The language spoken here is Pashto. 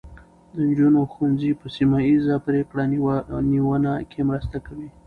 د نجونو ښوونځي په سیمه ایزه پرېکړه نیونه کې مرسته کوي.